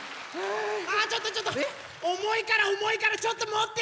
あちょっとちょっとおもいからおもいからちょっともって！